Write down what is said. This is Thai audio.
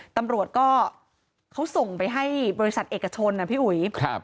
ตำรวจก็เขาส่งไปให้บริษัทเอกชนนะพี่อุ๋ย